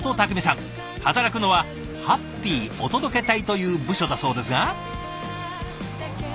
働くのはハッピーお届け隊という部署だそうですが。